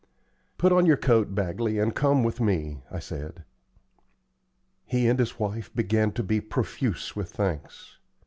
"Put on your coat, Bagley, and come with me," I said. He and his wife began to be profuse with thanks.